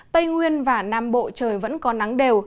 tây nguyên và nam bộ trời vẫn có nắng đều